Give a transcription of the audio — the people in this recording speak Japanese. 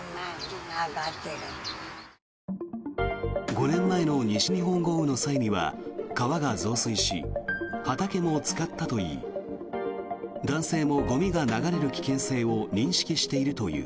５年前の西日本豪雨の際には川が増水し畑もつかったといい男性もゴミが流れる危険性を認識しているという。